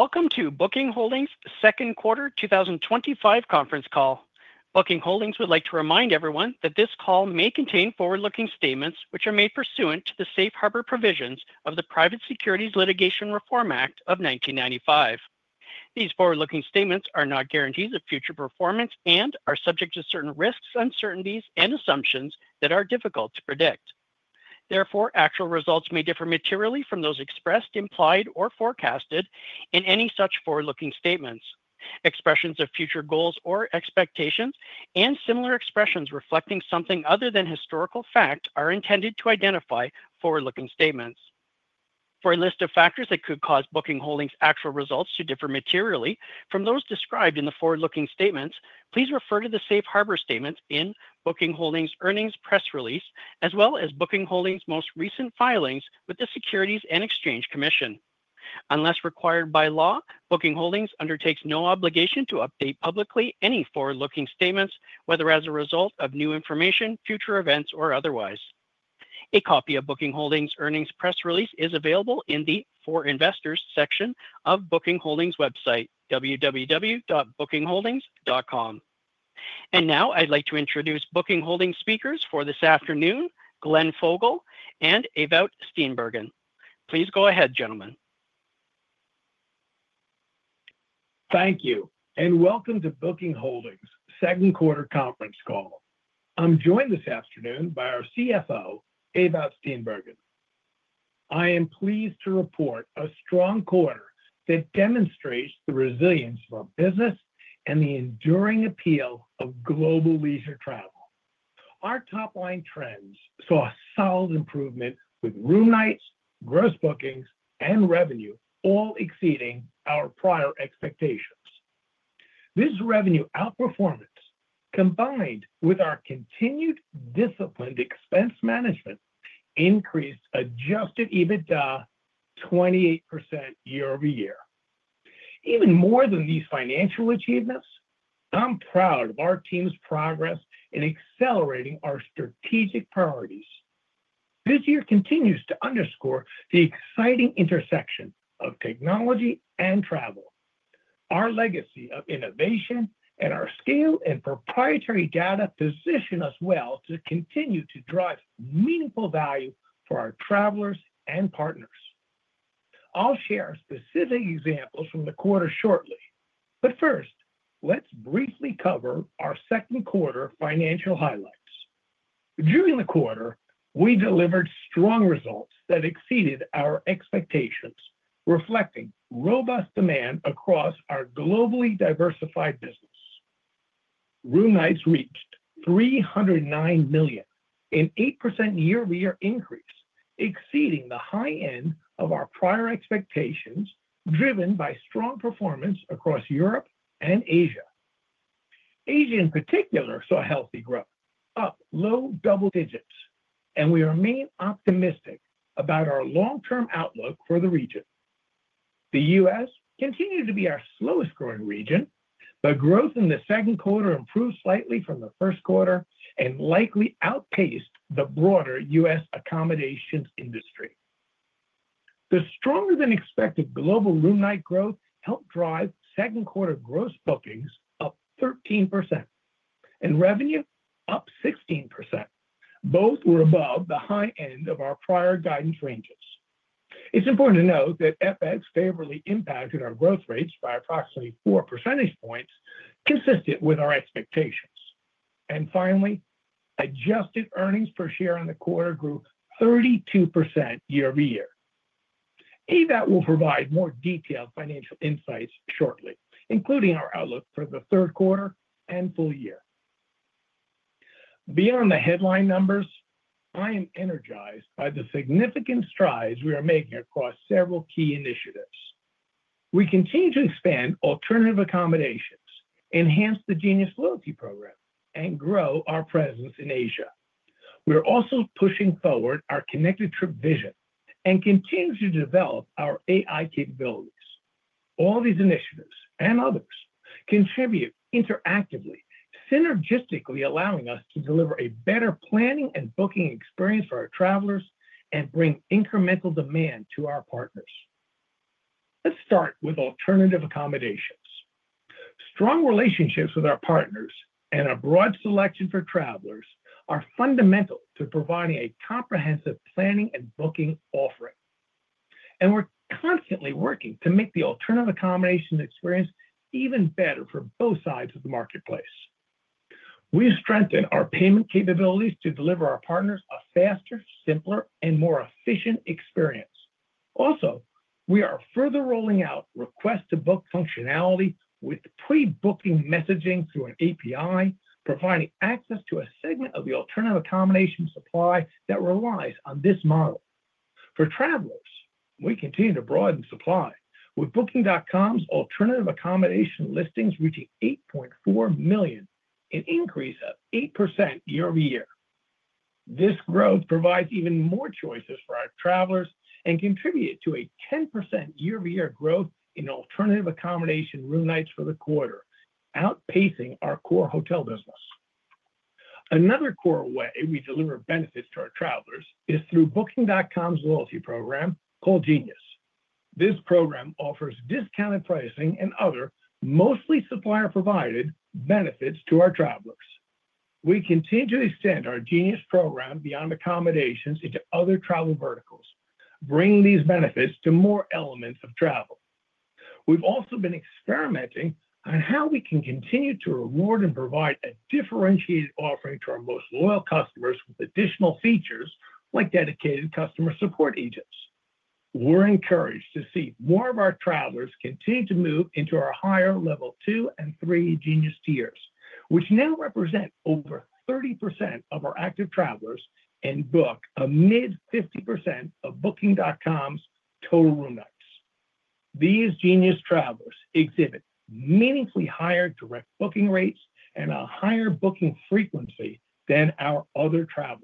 Welcome to Booking Holdings' Second Quarter 2025 Conference Call. Booking Holdings would like to remind everyone that this call may contain forward-looking statements which are made pursuant to the safe harbor provisions of the Private Securities Litigation Reform Act of 1995. These forward-looking statements are not guarantees of future performance and are subject to certain risks, uncertainties, and assumptions that are difficult to predict. Therefore, actual results may differ materially from those expressed, implied, or forecasted in any such forward-looking statements. Expressions of future goals or expectations and similar expressions reflecting something other than historical fact are intended to identify forward-looking statements. For a list of factors that could cause Booking Holdings' actual results to differ materially from those described in the forward-looking statements, please refer to the safe harbor statements in Booking Holdings' earnings press release, as well as Booking Holdings' most recent filings with the Securities and Exchange Commission. Unless required by law, Booking Holdings undertakes no obligation to update publicly any forward-looking statements, whether as a result of new information, future events, or otherwise. A copy of Booking Holdings' earnings press release is available in the For Investors section of Booking Holdings' website, www.bookingholdings.com. I would like to introduce Booking Holdings' speakers for this afternoon, Glenn Fogel and Ewout Steenbergen. Please go ahead, gentlemen. Thank you, and welcome to Booking Holdings' Second Quarter Conference Call. I'm joined this afternoon by our CFO, Ewout Steenbergen. I am pleased to report a strong quarter that demonstrates the resilience of our business and the enduring appeal of global leisure travel. Our top-line trends saw a solid improvement with room nights, gross bookings, and revenue all exceeding our prior expectations. This revenue outperformance, combined with our continued disciplined expense management, increased adjusted EBITDA 28% year-over-year. Even more than these financial achievements, I'm proud of our team's progress in accelerating our strategic priorities. This year continues to underscore the exciting intersection of technology and travel. Our legacy of innovation and our scale and proprietary data position us well to continue to drive meaningful value for our travelers and partners. I'll share specific examples from the quarter shortly, but first, let's briefly cover our second quarter financial highlights. During the quarter, we delivered strong results that exceeded our expectations, reflecting robust demand across our globally diversified business. Room nights reached 309 million in an 8% year-over-year increase, exceeding the high end of our prior expectations driven by strong performance across Europe and Asia. Asia, in particular, saw healthy growth, up low double-digits, and we remain optimistic about our long-term outlook for the region. The U.S. continued to be our slowest-growing region, but growth in the second quarter improved slightly from the first quarter and likely outpaced the broader U.S. accommodations industry. The stronger-than-expected global room night growth helped drive second quarter gross bookings up 13% and revenue up 16%. Both were above the high end of our prior guidance ranges. It's important to note that FX favorably impacted our growth rates by approximately 4 percentage points, consistent with our expectations. Finally, adjusted earnings per share in the quarter grew 32% year-over-year. Ewout will provide more detailed financial insights shortly, including our outlook for the third quarter and full year. Beyond the headline numbers, I am energized by the significant strides we are making across several key initiatives. We continue to expand alternative accommodations, enhance the Genius loyalty program, and grow our presence in Asia. We are also pushing forward our Connected Trip vision and continue to develop our AI capabilities. All these initiatives and others contribute interactively, synergistically allowing us to deliver a better planning and booking experience for our travelers and bring incremental demand to our partners. Let's start with alternative accommodations. Strong relationships with our partners and a broad selection for travelers are fundamental to providing a comprehensive planning and booking offering. We are constantly working to make the alternative accommodation experience even better for both sides of the marketplace. We strengthen our payment capabilities to deliver our partners a faster, simpler, and more efficient experience. Also, we are further rolling out request-to-book functionality with pre-booking messaging through an API, providing access to a segment of the alternative accommodation supply that relies on this model. For travelers, we continue to broaden supply, with Booking.com's alternative accommodation listings reaching 8.4 million, an increase of 8% year-over-year. This growth provides even more choices for our travelers and contributed to a 10% year-over-year growth in alternative accommodation room nights for the quarter, outpacing our core hotel business. Another core way we deliver benefits to our travelers is through Booking.com's loyalty program called Genius. This program offers discounted pricing and other mostly supplier-provided benefits to our travelers. We continue to extend our Genius program beyond accommodations into other travel verticals, bringing these benefits to more elements of travel. We have also been experimenting on how we can continue to reward and provide a differentiated offering to our most loyal customers with additional features like dedicated customer support agents. We are encouraged to see more of our travelers continue to move into our higher level two and three Genius tiers, which now represent over 30% of our active travelers and book a mid-50% of Booking.com's total room nights. These Genius travelers exhibit meaningfully higher direct booking rates and a higher booking frequency than our other travelers.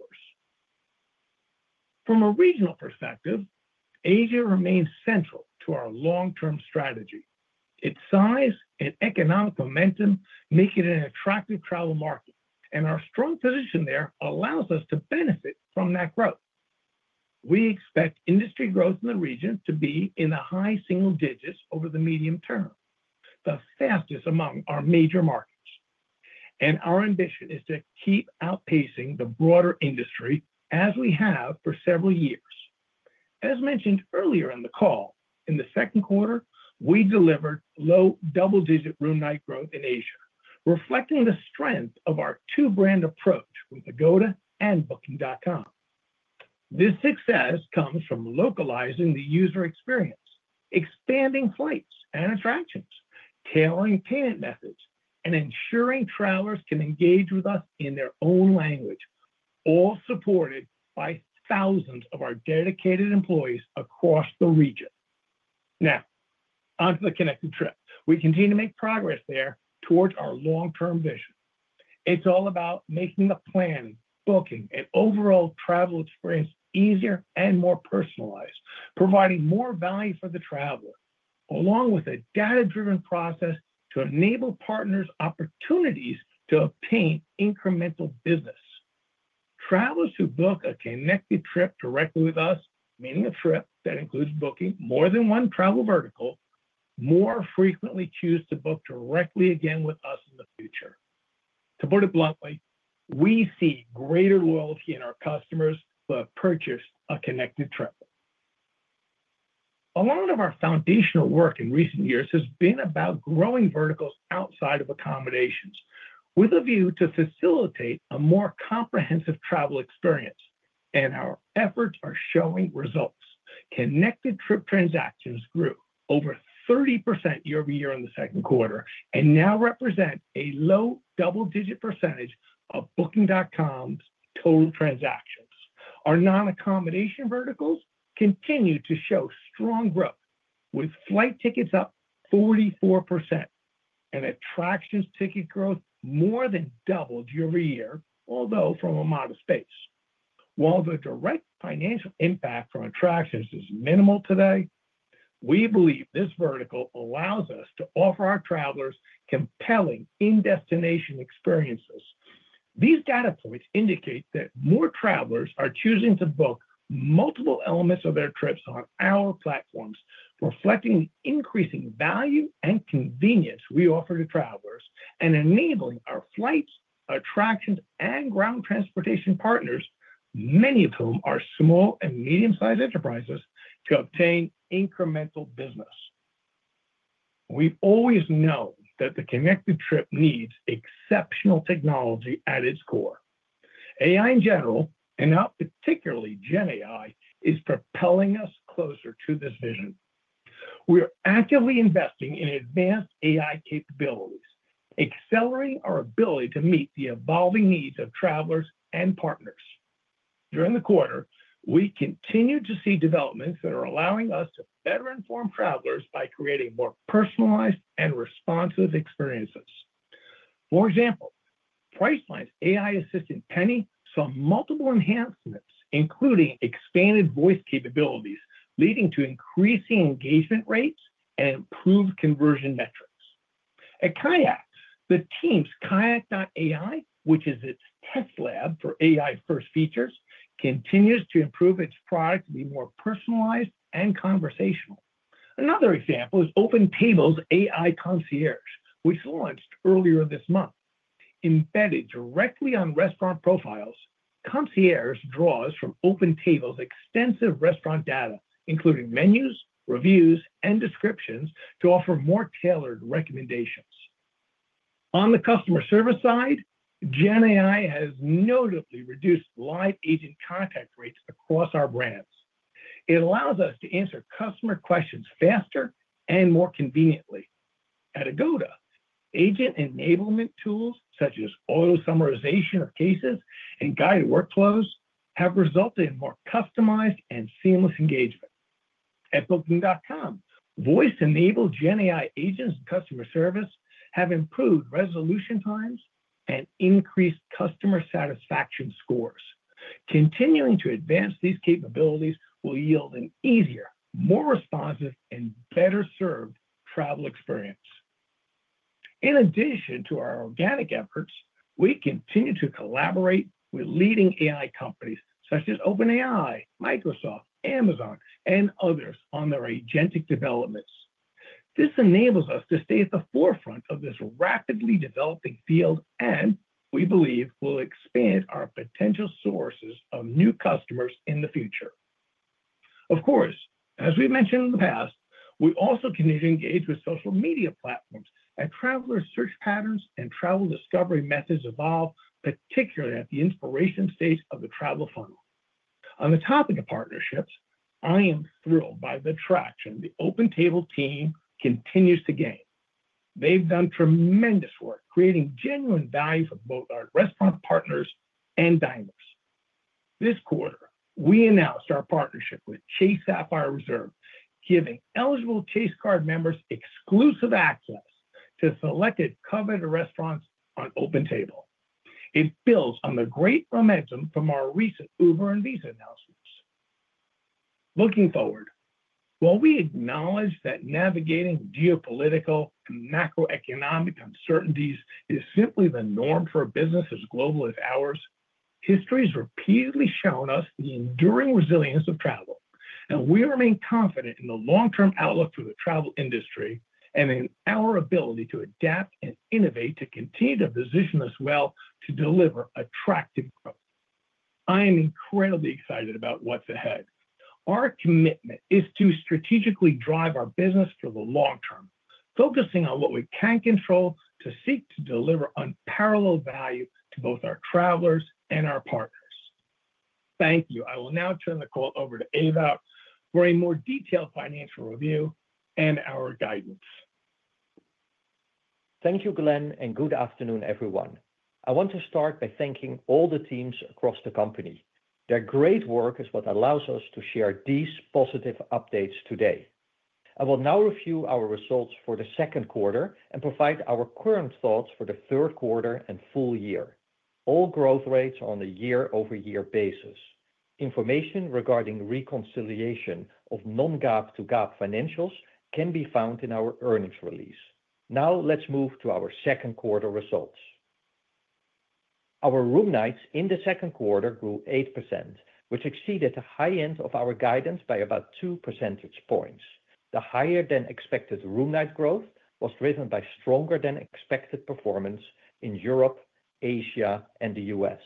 From a regional perspective, Asia remains central to our long-term strategy. Its size and economic momentum make it an attractive travel market, and our strong position there allows us to benefit from that growth. We expect industry growth in the region to be in the high single-digits over the medium term, the fastest among our major markets. Our ambition is to keep outpacing the broader industry as we have for several years. As mentioned earlier in the call, in the second quarter, we delivered low double-digit room night growth in Asia, reflecting the strength of our two-brand approach with Agoda and Booking.com. This success comes from localizing the user experience, expanding flights and attractions, tailoring payment methods, and ensuring travelers can engage with us in their own language, all supported by thousands of our dedicated employees across the region. Now, onto the Connected Trip. We continue to make progress there towards our long-term vision. It is all about making the planning, booking, and overall travel experience easier and more personalized, providing more value for the traveler, along with a data-driven process to enable partners opportunities to obtain incremental business. Travelers who book a connected trip directly with us, meaning a trip that includes booking more than one travel vertical, more frequently choose to book directly again with us in the future. To put it bluntly, we see greater loyalty in our customers who have purchased a connected trip. A lot of our foundational work in recent years has been about growing verticals outside of accommodations with a view to facilitate a more comprehensive travel experience, and our efforts are showing results. Connected Trip transactions grew over 30% year-over-year in the second quarter and now represent a low double-digit percentage of Booking.com's total transactions. Our non-accommodation verticals continue to show strong growth, with flight tickets up 44%. Attractions ticket growth more than doubled year-over-year, although from a modest base. While the direct financial impact from attractions is minimal today, we believe this vertical allows us to offer our travelers compelling in-destination experiences. These data points indicate that more travelers are choosing to book multiple elements of their trips on our platforms, reflecting the increasing value and convenience we offer to travelers and enabling our flights, attractions, and ground transportation partners, many of whom are small and medium-sized enterprises, to obtain incremental business. We always know that the Connected Trip needs exceptional technology at its core. AI in general, and now particularly GenAI, is propelling us closer to this vision. We are actively investing in advanced AI capabilities, accelerating our ability to meet the evolving needs of travelers and partners. During the quarter, we continue to see developments that are allowing us to better inform travelers by creating more personalized and responsive experiences. For example, Priceline's AI assistant, Penny, saw multiple enhancements, including expanded voice capabilities, leading to increasing engagement rates and improved conversion metrics. At KAYAK, the team's KAYAK.ai, which is its test lab for AI-first features, continues to improve its product to be more personalized and conversational. Another example is OpenTable's AI Concierge, which launched earlier this month. Embedded directly on restaurant profiles, Concierge draws from OpenTable's extensive restaurant data, including menus, reviews, and descriptions, to offer more tailored recommendations. On the customer service side, GenAI has notably reduced live agent contact rates across our brands. It allows us to answer customer questions faster and more conveniently. At Agoda, agent enablement tools such as auto summarization of cases and guided workflows have resulted in more customized and seamless engagement. At Booking.com, voice-enabled GenAI agents and customer service have improved resolution times and increased customer satisfaction scores. Continuing to advance these capabilities will yield an easier, more responsive, and better-served travel experience. In addition to our organic efforts, we continue to collaborate with leading AI companies such as OpenAI, Microsoft, Amazon, and others on their agentic developments. This enables us to stay at the forefront of this rapidly developing field and, we believe, will expand our potential sources of new customers in the future. Of course, as we've mentioned in the past, we also continue to engage with social media platforms as travelers' search patterns and travel discovery methods evolve, particularly at the inspiration stage of the travel funnel. On the topic of partnerships, I am thrilled by the traction the OpenTable team continues to gain. They've done tremendous work creating genuine value for both our restaurant partners and diners. This quarter, we announced our partnership with Chase Sapphire Reserve, giving eligible Chase card members exclusive access to selected coveted restaurants on OpenTable. It builds on the great momentum from our recent Uber and Visa announcements. Looking forward, while we acknowledge that navigating geopolitical and macroeconomic uncertainties is simply the norm for businesses as global as ours, history has repeatedly shown us the enduring resilience of travel, and we remain confident in the long-term outlook for the travel industry and in our ability to adapt and innovateto continue to position us well to deliver attractive growth. I am incredibly excited about what's ahead. Our commitment is to strategically drive our business for the long term, focusing on what we can control to seek to deliver unparalleled value to both our travelers and our partners. Thank you. I will now turn the call over to Ewout for a more detailed financial review and our guidance. Thank you, Glenn, and good afternoon, everyone. I want to start by thanking all the teams across the company. Their great work is what allows us to share these positive updates today. I will now review our results for the second quarter and provide our current thoughts for the third quarter and full year, all growth rates on a year-over-year basis. Information regarding reconciliation of non-GAAP to GAAP financials can be found in our earnings release. Now, let's move to our second quarter results. Our room nights in the second quarter grew 8%, which exceeded the high end of our guidance by about 2 percentage points. The higher-than-expected room night growth was driven by stronger-than-expected performance in Europe, Asia, and the U.S.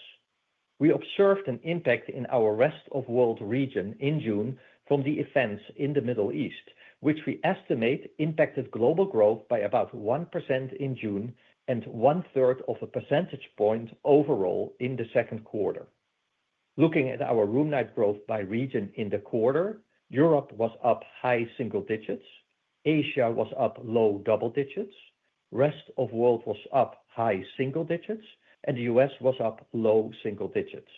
We observed an impact in our Rest of World region in June from the events in the Middle East, which we estimate impacted global growth by about 1% in June and 1/3 of a percentage point overall in the second quarter. Looking at our room night growth by region in the quarter, Europe was up high single-digits, Asia was up low double-digits, Rest of World was up high single-digits, and the U.S. was up low single-digits.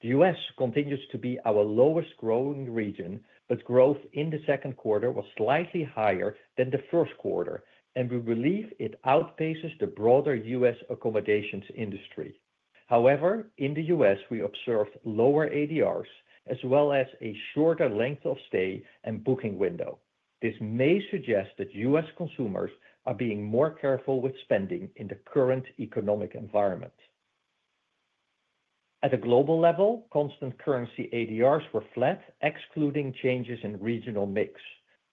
The U.S. continues to be our lowest growing region, but growth in the second quarter was slightly higher than the first quarter, and we believe it outpaces the broader U.S. accommodations industry. However, in the U.S., we observed lower ADRs as well as a shorter length of stay and booking window. This may suggest that U.S. consumers are being more careful with spending in the current economic environment. At a global level, constant currency ADRs were flat, excluding changes in regional mix.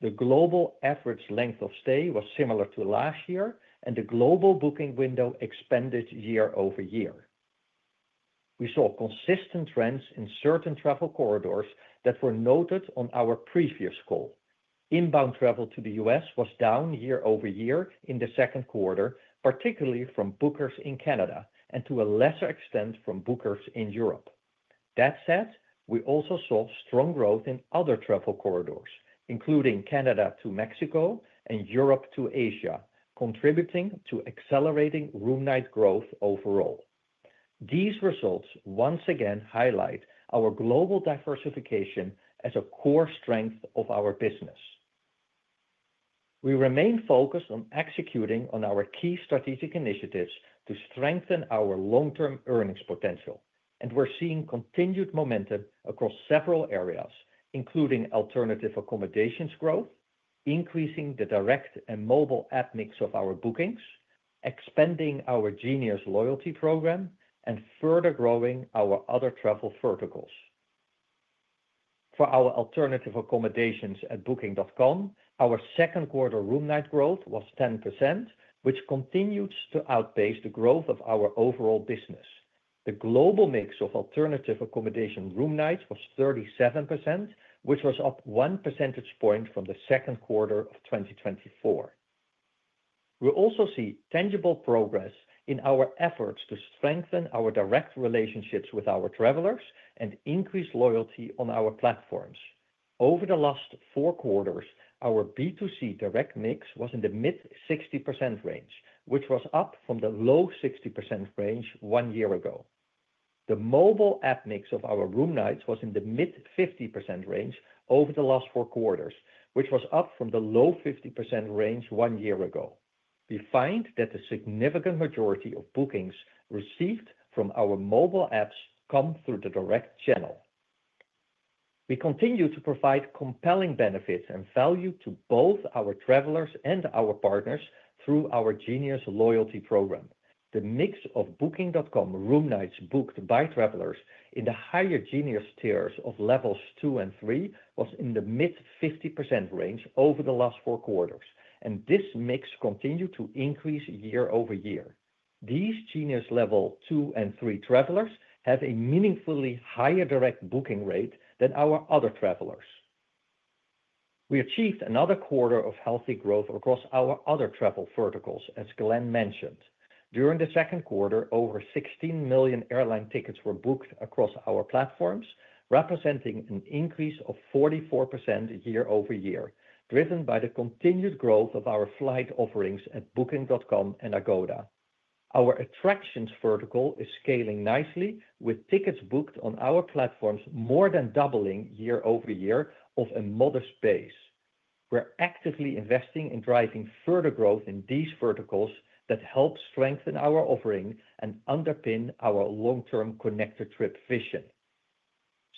The global average length of stay was similar to last year, and the global booking window expanded year-over-year. We saw consistent trends in certain travel corridors that were noted on our previous call. Inbound travel to the U.S. was down year-over-year in the second quarter, particularly from bookers in Canada and to a lesser extent from bookers in Europe. That said, we also saw strong growth in other travel corridors, including Canada to Mexico and Europe to Asia, contributing to accelerating room night growth overall. These results once again highlight our global diversification as a core strength of our business. We remain focused on executing on our key strategic initiatives to strengthen our long-term earnings potential, and we're seeing continued momentum across several areas, including alternative accommodations growth, increasing the direct and mobile app mix of our bookings, expanding our Genius loyalty program, and further growing our other travel verticals. For our alternative accommodations at Booking.com, our second quarter room night growth was 10%, which continues to outpace the growth of our overall business. The global mix of alternative accommodation room nights was 37%, which was up one percentage point from the second quarter of 2024. We also see tangible progress in our efforts to strengthen our direct relationships with our travelers and increase loyalty on our platforms. Over the last four quarters, our B2C direct mix was in the mid-60% range, which was up from the low 60% range one year ago. The mobile app mix of our room nights was in the mid-50% range over the last four quarters, which was up from the low 50% range one year ago. We find that the significant majority of bookings received from our mobile apps come through the direct channel. We continue to provide compelling benefits and value to both our travelers and our partners through our Genius loyalty program. The mix of Booking.com room nights booked by travelers in the higher Genius tiers of levels two and three was in the mid-50% range over the last four quarters, and this mix continued to increase year-over-year. These Genius level two and three travelers have a meaningfully higher direct booking rate than our other travelers. We achieved another quarter of healthy growth across our other travel verticals, as Glenn mentioned. During the second quarter, over 16 million airline tickets were booked across our platforms, representing an increase of 44% year-over-year, driven by the continued growth of our flight offerings at Booking.com and Agoda. Our attractions vertical is scaling nicely, with tickets booked on our platforms more than doubling year-over-year off a modest base. We're actively investing in driving further growth in these verticals that help strengthen our offering and underpin our long-term connected trip vision.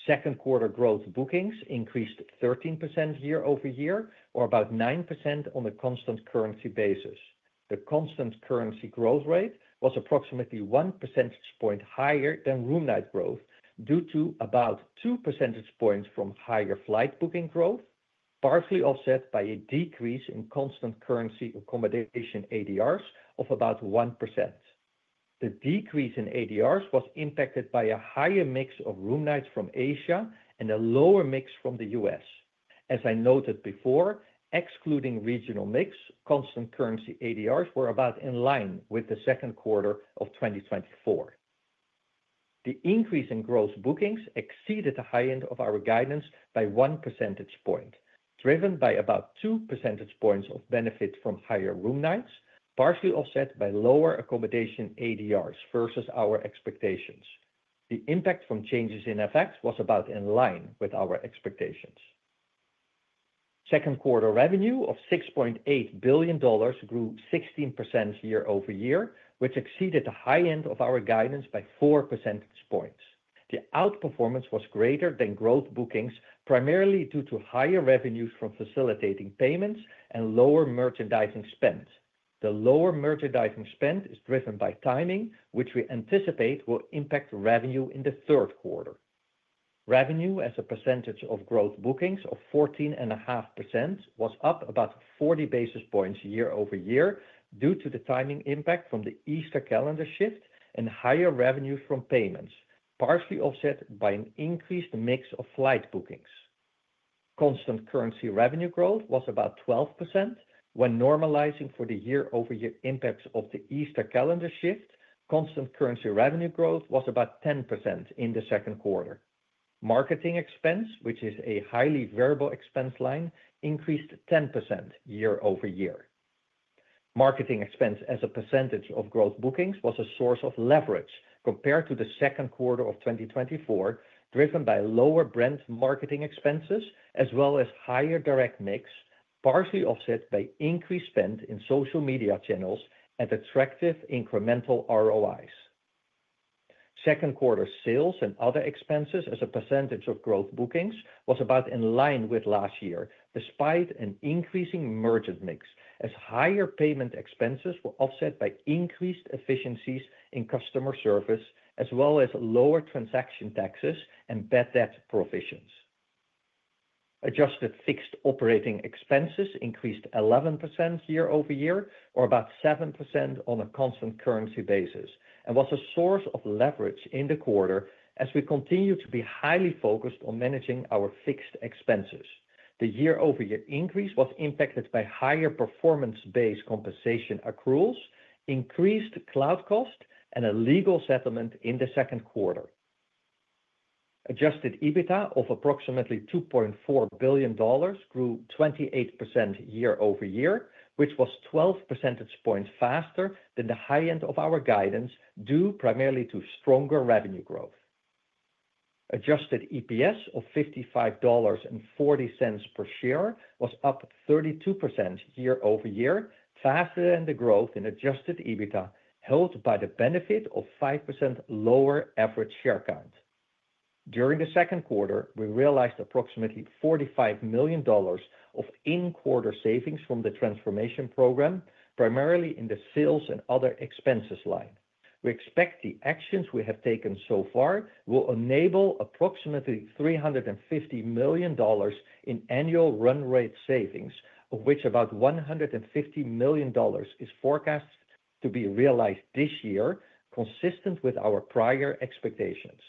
Second quarter gross bookings increased 13% year-over-year, or about 9% on a constant currency basis. The constant currency growth rate was approximately one percentage point higher than room night growth due to about two percentage points from higher flight booking growth, partially offset by a decrease in constant currency accommodation ADRs of about 1%. The decrease in ADRs was impacted by a higher mix of room nights from Asia and a lower mix from the U.S. As I noted before, excluding regional mix, constant currency ADRs were about in line with the second quarter of 2024. The increase in gross bookings exceeded the high end of our guidance by one percentage point, driven by about two percentage points of benefit from higher room nights, partially offset by lower accommodation ADRs versus our expectations. The impact from changes in FX was about in line with our expectations. Second quarter revenue of $6.8 billion grew 16% year-over-year, which exceeded the high end of our guidance by four percentage points. The outperformance was greater than gross bookings, primarily due to higher revenues from facilitating payments and lower merchandising spend. The lower merchandising spend is driven by timing, which we anticipate will impact revenue in the third quarter. Revenue as a percentage of gross bookings of 14.5% was up about 40 basis points year-over-year due to the timing impact from the Easter calendar shift and higher revenues from payments, partially offset by an increased mix of flight bookings. Constant currency revenue growth was about 12%. When normalizing for the year-over-year impacts of the Easter calendar shift, constant currency revenue growth was about 10% in the second quarter. Marketing expense, which is a highly variable expense line, increased 10% year-over-year. Marketing expense as a percentage of gross bookings was a source of leverage compared to the second quarter of 2024, driven by lower brand marketing expenses as well as higher direct mix, partially offset by increased spend in social media channels and attractive incremental ROIs. Second quarter sales and other expenses as a percentage of gross bookings was about in line with last year, despite an increasing merchant mix, as higher payment expenses were offset by increased efficiencies in customer service, as well as lower transaction taxes and bad debt provisions. Adjusted fixed operating expenses increased 11% year-over-year, or about 7% on a constant currency basis, and was a source of leverage in the quarter as we continue to be highly focused on managing our fixed expenses. The year-over-year increase was impacted by higher performance-based compensation accruals, increased cloud cost, and a legal settlement in the second quarter. Adjusted EBITDA of approximately $2.4 billion grew 28% year-over-year, which was 12 percentage points faster than the high end of our guidance due primarily to stronger revenue growth. Adjusted EPS of $55.40 per share was up 32% year-over-year, faster than the growth in adjusted EBITDA held by the benefit of 5% lower average share count. During the second quarter, we realized approximately $45 million of in-quarter savings from the transformation program, primarily in the sales and other expenses line. We expect the actions we have taken so far will enable approximately $350 million in annual run rate savings, of which about $150 million is forecast to be realized this year, consistent with our prior expectations.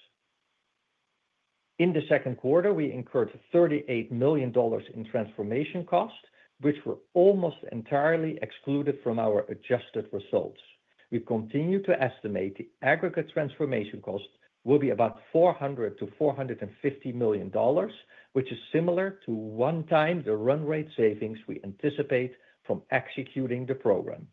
In the second quarter, we incurred $38 million in transformation cost, which were almost entirely excluded from our adjusted results. We continue to estimate the aggregate transformation cost will be about $400 million to $450 million, which is similar to one time the run rate savings we anticipate from executing the program.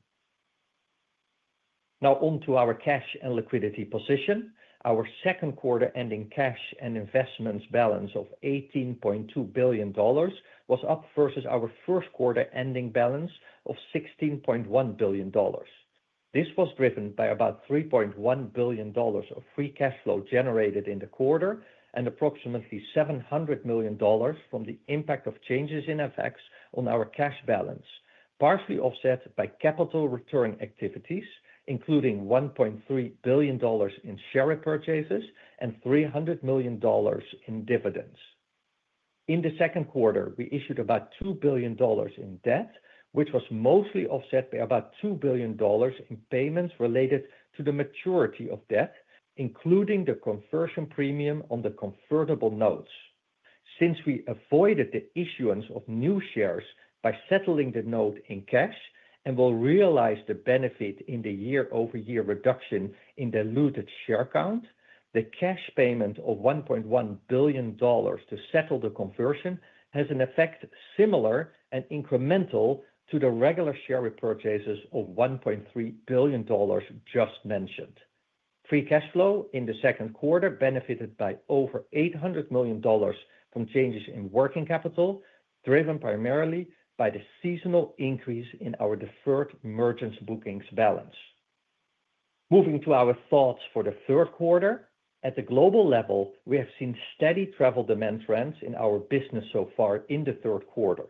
Now, on to our cash and liquidity position. Our second quarter ending cash and investments balance of $18.2 billion was up versus our first quarter ending balance of $16.1 billion. This was driven by about $3.1 billion of free cash flow generated in the quarter and approximately $700 million from the impact of changes in FX on our cash balance, partially offset by capital return activities, including $1.3 billion in share repurchases and $300 million in dividends. In the second quarter, we issued about $2 billion in debt, which was mostly offset by about $2 billion in payments related to the maturity of debt, including the conversion premium on the convertible notes. Since we avoided the issuance of new shares by settling the note in cash and will realize the benefit in the year-over-year reduction in the diluted share count, the cash payment of $1.1 billion to settle the conversion has an effect similar and incremental to the regular share repurchases of $1.3 billion just mentioned. Free cash flow in the second quarter benefited by over $800 million from changes in working capital, driven primarily by the seasonal increase in our deferred merchant bookings balance. Moving to our thoughts for the third quarter, at the global level, we have seen steady travel demand trends in our business so far in the third quarter.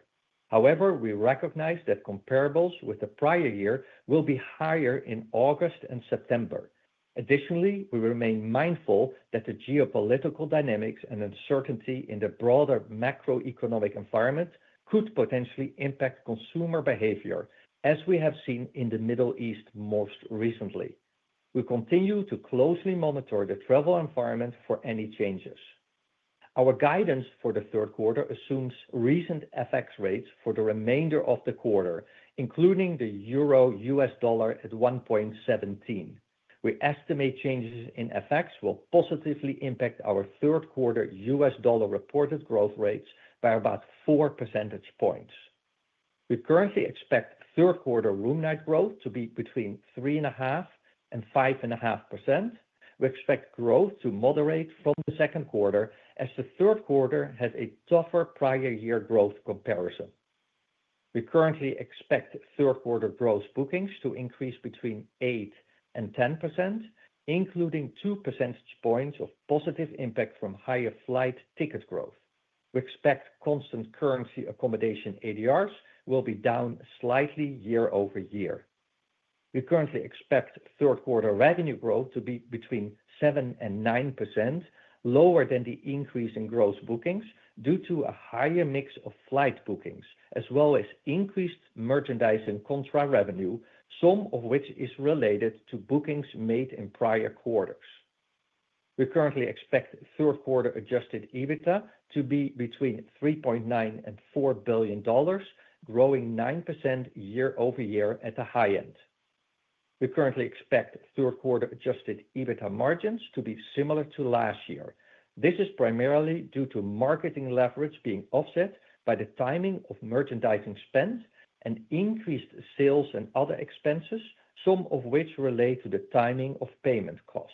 However, we recognize that comparables with the prior year will be higher in August and September. Additionally, we remain mindful that the geopolitical dynamics and uncertainty in the broader macroeconomic environment could potentially impact consumer behavior, as we have seen in the Middle East most recently. We continue to closely monitor the travel environment for any changes. Our guidance for the third quarter assumes recent FX rates for the remainder of the quarter, including the euro/U.S. dollar at $1.17. We estimate changes in FX will positively impact our third quarter US dollar reported growth rates by about four percentage points. We currently expect third quarter room night growth to be between 3.5% and 5.5%. We expect growth to moderate from the second quarter, as the third quarter has a tougher prior year growth comparison. We currently expect third quarter gross bookings to increase between 8% and 10%, including two percentage points of positive impact from higher flight ticket growth. We expect constant currency accommodation ADRs will be down slightly year-over-year. We currently expect third quarter revenue growth to be between 7% and 9%, lower than the increase in gross bookings due to a higher mix of flight bookings, as well as increased merchandising contra revenue, some of which is related to bookings made in prior quarters. We currently expect third quarter adjusted EBITDA to be between $3.9 billion and $4 billion, growing 9% year-over-year at the high end. We currently expect third quarter adjusted EBITDA margins to be similar to last year. This is primarily due to marketing leverage being offset by the timing of merchandising spend and increased sales and other expenses, some of which relate to the timing of payment costs.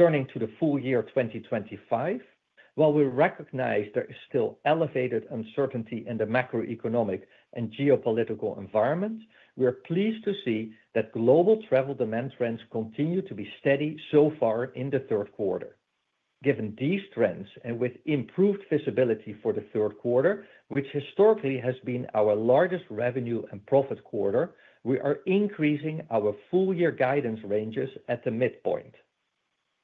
Turning to the full year 2025, while we recognize there is still elevated uncertainty in the macroeconomic and geopolitical environment, we are pleased to see that global travel demand trends continue to be steady so far in the third quarter. Given these trends and with improved visibility for the third quarter, which historically has been our largest revenue and profit quarter, we are increasing our full year guidance ranges at the midpoint.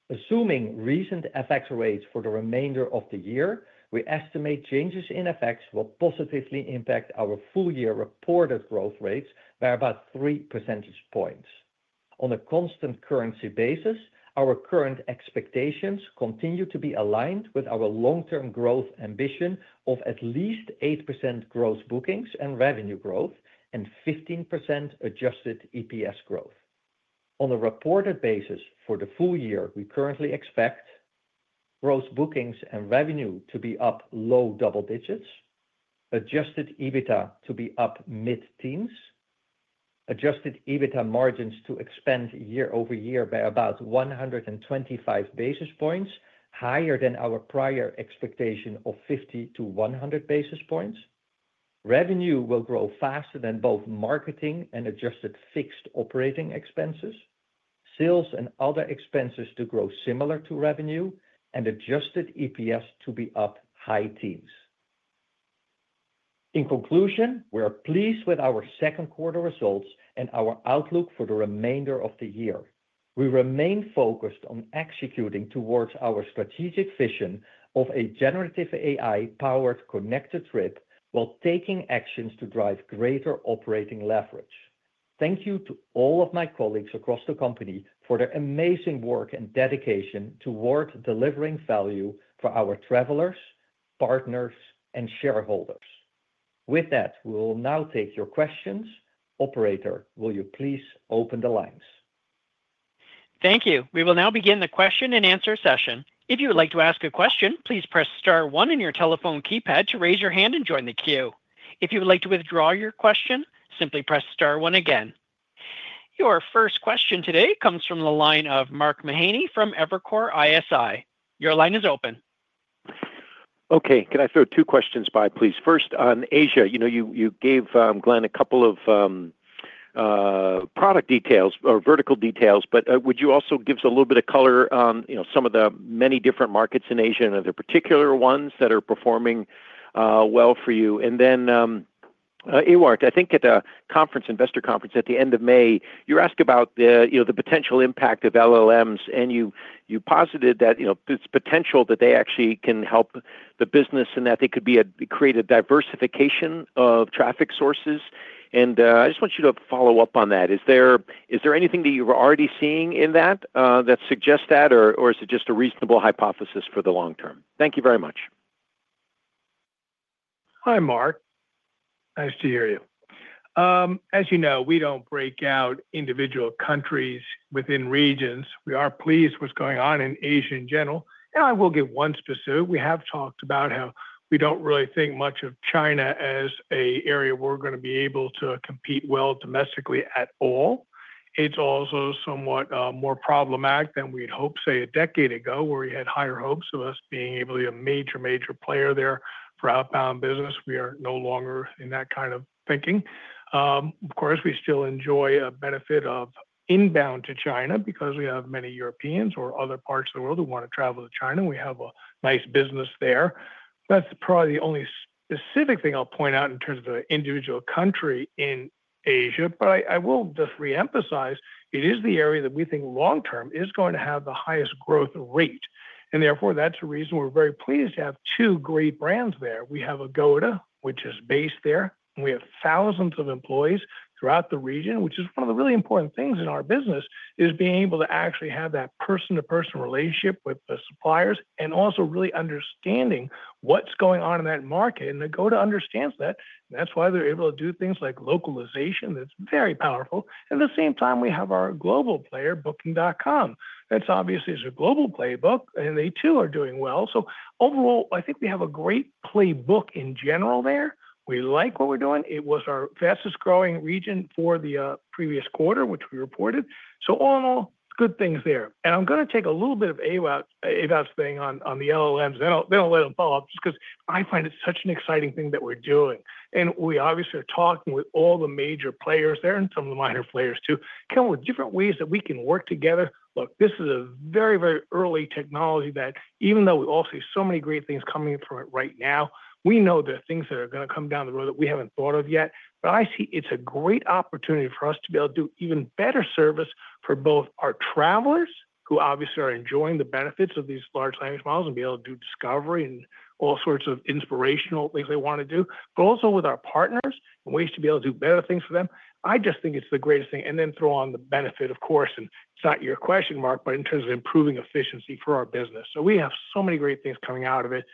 Assuming recent FX rates for the remainder of the year, we estimate changes in FX will positively impact our full year reported growth rates by about three percentage points. On a constant currency basis, our current expectations continue to be aligned with our long-term growth ambition of at least 8% gross bookings and revenue growth and 15% adjusted EPS growth. On a reported basis, for the full year, we currently expect gross bookings and revenue to be up low double-digits, adjusted EBITDA to be up mid-teens. Adjusted EBITDA margins to expand year-over-year by about 125 basis points, higher than our prior expectation of 50-100 basis points. Revenue will grow faster than both marketing and adjusted fixed operating expenses, sales and other expenses to grow similar to revenue, and adjusted EPS to be up high teens. In conclusion, we are pleased with our second quarter results and our outlook for the remainder of the year. We remain focused on executing towards our strategic vision of a generative AI-powered Connected Trip while taking actions to drive greater operating leverage. Thank you to all of my colleagues across the company for their amazing work and dedication toward delivering value for our travelers, partners, and shareholders. With that, we will now take your questions. Operator, will you please open the lines? Thank you. We will now begin the question-and-answer session. If you would like to ask a question, please press star one in your telephone keypad to raise your hand and join the queue. If you would like to withdraw your question, simply press star one again. Your first question today comes from the line of Mark Mahaney from Evercore ISI. Your line is open. Okay. Can I throw two questions by, please? First, on Asia, you gave, Glenn, a couple of product details or vertical details, but would you also give us a little bit of color on some of the many different markets in Asia and other particular ones that are performing well for you? Then, Ewout, I think at a conference, investor conference at the end of May, you asked about the potential impact of LLMs, and you posited that it's potential that they actually can help the business and that they could create a diversification of traffic sources. And I just want you to follow up on that. Is there anything that you were already seeing in that that suggests that, or is it just a reasonable hypothesis for the long term? Thank you very much. Hi, Mark. Nice to hear you. As you know, we don't break out individual countries within regions. We are pleased with what's going on in Asia in general. I will give one specific. We have talked about how we don't really think much of China as an area where we're going to be able to compete well domestically at all. It's also somewhat more problematic than we'd hope, say, a decade ago, where we had higher hopes of us being able to be a major, major player there for outbound business. We are no longer in that kind of thinking. Of course, we still enjoy a benefit of inbound to China because we have many Europeans or other parts of the world who want to travel to China. We have a nice business there. That's probably the only specific thing I'll point out in terms of the individual country in Asia, but I will just re-emphasize it is the area that we think long-term is going to have the highest growth rate. Therefore, that's a reason we're very pleased to have two great brands there. We have Agoda, which is based there, and we have thousands of employees throughout the region, which is one of the really important things in our business, is being able to actually have that person-to-person relationship with the suppliers and also really understanding what's going on in that market. Agoda understands that. That's why they're able to do things like localization that's very powerful. At the same time, we have our global player, Booking.com. That's obviously a global playbook, and they too are doing well. Overall, I think we have a great playbook in general there. We like what we're doing. It was our fastest-growing region for the previous quarter, which we reported. All in all, good things there. I'm going to take a little bit of Ewout's thing on the LLMs. I'll let him follow up just because I find it such an exciting thing that we're doing. We obviously are talking with all the major players there and some of the minor players too, kind of with different ways that we can work together. Look, this is a very, very early technology that even though we all see so many great things coming from it right now, we know there are things that are going to come down the road that we haven't thought of yet. I see it's a great opportunity for us to be able to do even better service for both our travelers, who obviously are enjoying the benefits of these large language models, and be able to do discovery and all sorts of inspirational things they want to do, but also with our partners and ways to be able to do better things for them. I just think it's the greatest thing. Throw on the benefit, of course, and it's not your question, Mark, but in terms of improving efficiency for our business. We have so many great things coming out of it,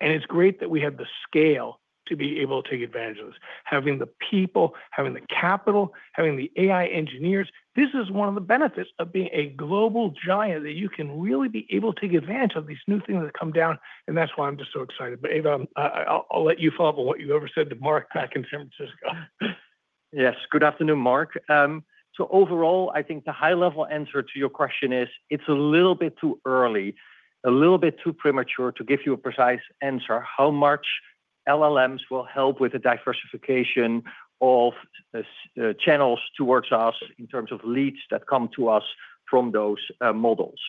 and it's great that we have the scale to be able to take advantage of this. Having the people, having the capital, having the AI engineers, this is one of the benefits of being a global giant that you can really be able to take advantage of these new things that come down, and that's why I'm just so excited. Ewout, I'll let you follow up on what you've ever said to Mark back in San Francisco. Yes. Good afternoon, Mark. Overall, I think the high-level answer to your question is it's a little bit too early, a little bit too premature to give you a precise answer how much LLMs will help with the diversification of channels towards us in terms of leads that come to us from those models.